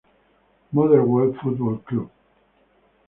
Motherwell Football Club